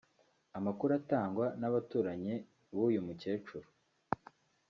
Amakuru atangazwa n’abaturanye b’uyu mukecuru